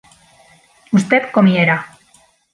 usted comiera